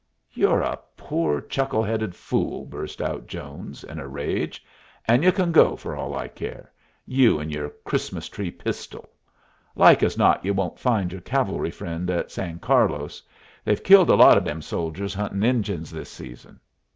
"You're a poor chuckle headed fool!" burst out Jones, in a rage. "And y'u can go, for all I care you and your Christmas tree pistol. Like as not you won't find your cavalry friend at San Carlos. They've killed a lot of them soldiers huntin' Injuns this season.